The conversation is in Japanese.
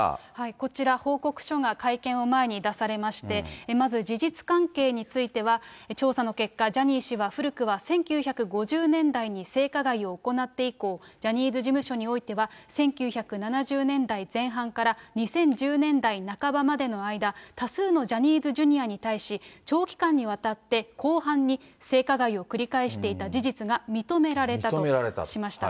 こちら、報告書が会見を前に出されまして、まず事実関係については、調査の結果、ジャニー氏は古くは１９５０年代に性加害を行って以降、ジャニーズ事務所においては、１９７０代前半から２０１０年代半ばまでの間、多数のジャニーズＪｒ．に対し、長期間にわたって広範に性加害を繰り返していた事実が認められたとしました。